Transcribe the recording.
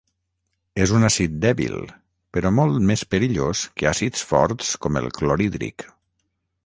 És un àcid dèbil, però molt més perillós que àcids forts com el clorhídric.